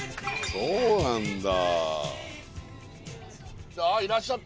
そうなんだ。